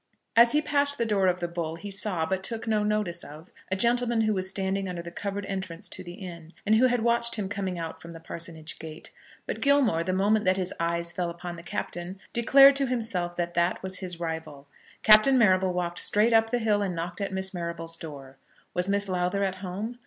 As he passed the door of the Bull he saw, but took no notice of, a gentleman who was standing under the covered entrance to the inn, and who had watched him coming out from the parsonage gate; but Gilmore, the moment that his eyes fell upon the Captain, declared to himself that that was his rival. Captain Marrable walked straight up the hill and knocked at Miss Marrable's door. Was Miss Lowther at home?